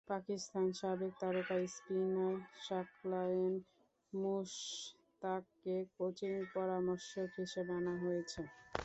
পাকিস্তানের সাবেক তারকা স্পিনার সাকলায়েন মুশতাককে কোচিং পরামর্শক হিসেবে আনা হয়েছে।